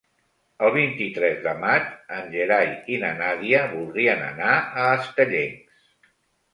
El vint-i-tres de maig en Gerai i na Nàdia voldrien anar a Estellencs.